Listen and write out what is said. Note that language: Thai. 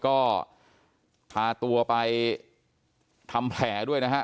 ก็พาตัวไปทำแผลด้วยนะฮะ